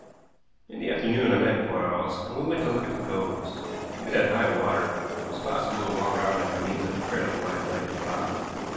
In the afternoon I met Quarles, and we went to look at the coves. Even at high water it was possible to walk round them by means of a fairly wide ledge of rock.